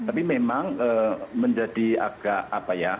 tapi memang menjadi agak apa ya